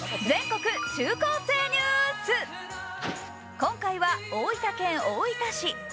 今回は大分県大分市。